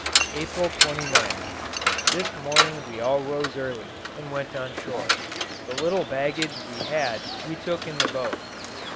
April 29th. This morning we all rose early, and went on shore. The little baggage we had we took in the boat.